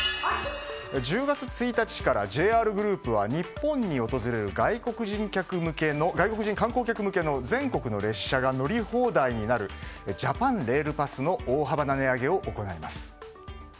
１０月１日からＪＲグループは日本に訪れる外国人観光客向けの全国の列車が乗り放題になるジャパン・レール・パスの大幅な値上げを行います。